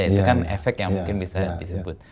itu kan efek yang mungkin bisa disebut